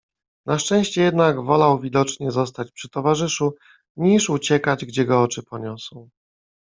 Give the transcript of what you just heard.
Na szczęście jednak wolał widocznie zostać przy towarzyszu, niż uciekać, gdzie go oczy poniosą.